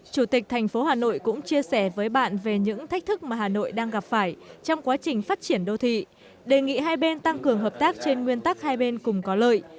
chủ tịch thành phố hà nội cũng chia sẻ với bạn về những thách thức mà hà nội đang gặp phải trong quá trình phát triển đô thị đề nghị hai bên tăng cường hợp tác trên nguyên tắc hai bên cùng có lợi